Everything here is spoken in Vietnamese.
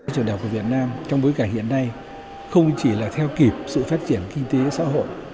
trường đại học của việt nam trong bối cảnh hiện nay không chỉ là theo kịp sự phát triển kinh tế xã hội